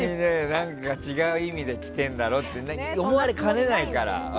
何か違う意味で着てるんだろって思われかねないから。